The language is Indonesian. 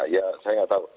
ya saya gak tau